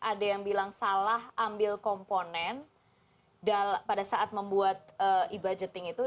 ada yang bilang salah ambil komponen pada saat membuat e budgeting itu